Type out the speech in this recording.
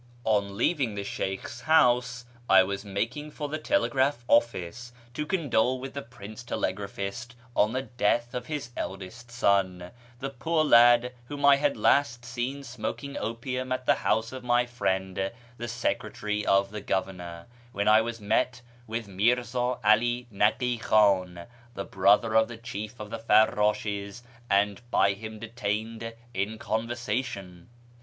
On leaving the Sheykh's house I was making for the telegraph olfiee to condole with the rrince Telegraphist on the death, of his eldest son, the poor lad whom I had last seen smoking opium at the house of my friend, the secretary of the governor, when I was met by Mi'rza 'AK Nakf Kluin, tlie brother of the chief of the Farrdshcs, and by him detained in conversation.